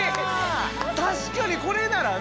確かにこれならね